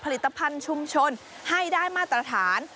ผลิตภัณฑ์ชุมชนให้ได้มาตรฐาน